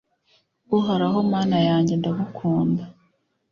uhoraho mana yanjye ndagukunda.